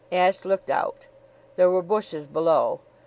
Ashe looked out. There were bushes below.